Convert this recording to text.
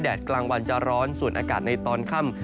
กลางวันจะร้อนส่วนอากาศในตอนค่ำ